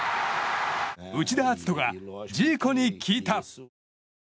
内田篤人がジーコに聞いた。